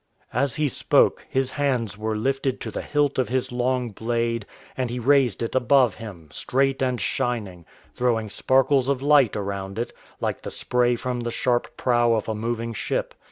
As he spoke, his hands were lifted to the hilt of his long blade, and he raised it above him, straight and shining, throwing sparkles of light around it, like the spray from the sharp prow of a moving ship.